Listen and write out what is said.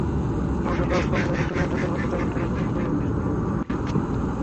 অবশ্য খরচ কমলেও চট্টগ্রাম থেকে নৌপথে কনটেইনার পণ্য পরিবহনে সময় লাগে বেশি।